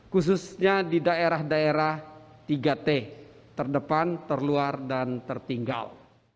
khususnya di daerah daerah tiga t terdepan terluar dan tertinggal